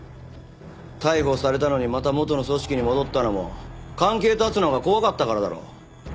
逮捕されたのにまた元の組織に戻ったのも関係絶つのが怖かったからだろ。